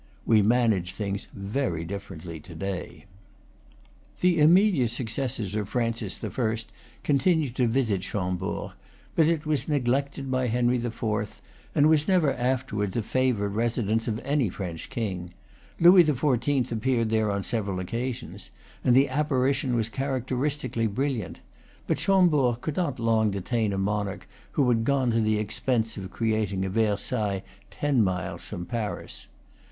We manage things very differently to day. The immediate successors of Francis I. continued to visit, Chambord; but it was neglected by Henry IV., and was never afterwards a favorite residence of any French king. Louis XIV. appeared there on several occasions, and the apparition was characteristically brilliant; but Chambord could not long detain a monarch who had gone to the expense of creating a Versailles ten miles from Paris.